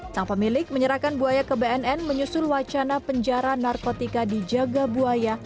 sang pemilik menyerahkan buaya ke bnn menyusul wacana penjara narkotika di jaga buaya